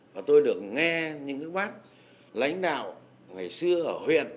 và tôi được nghe những bác lãnh đạo ngày xưa ở huyện